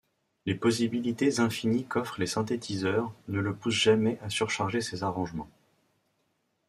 Les possibilités infinies qu'offrent les synthétiseurs ne le poussent jamais à surcharger ses arrangements.